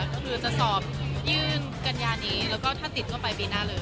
ก็คือจะสอบยื่นกัญญานี้แล้วก็ถ้าติดเข้าไปปีหน้าเลย